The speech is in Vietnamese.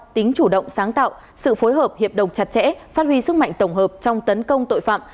tính chủ động sáng tạo sự phối hợp hiệp đồng chặt chẽ phát huy sức mạnh tổng hợp trong tấn công tội phạm